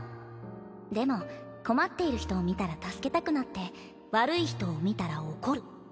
でも困っている人を見たら助けたくなって悪い人を見たら怒る。